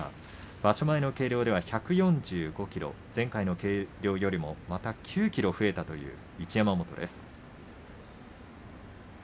場所前の計量では１４５ｋｇ前回の計量よりもまた９ｋｇ増えたという一山本です。